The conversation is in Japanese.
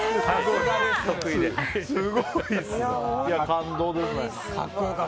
感動ですね。